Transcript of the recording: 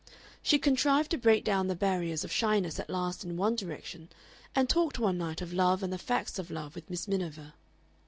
She contrived to break down the barriers of shyness at last in one direction, and talked one night of love and the facts of love with Miss Miniver.